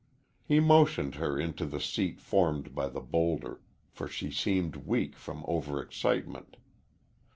He motioned her into the seat formed by the bowlder, for she seemed weak from over excitement.